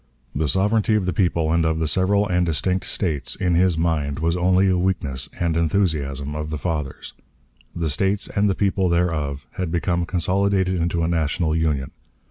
The sovereignty of the people and of the several and distinct States, in his mind, was only a weakness and enthusiasm of the fathers. The States and the people thereof had become consolidated into a national Union.